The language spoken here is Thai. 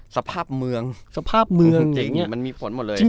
สภาพเมืองจริงมันมีผลหมดเลย